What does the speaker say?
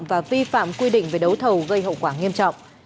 và vi phạm quy định về đấu thầu gây hậu quả nghiêm trọng